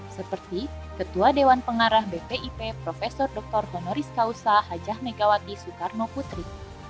seperti ketua dewan pengarah bpip prof dr honoris causa hajah megawati soekarno putri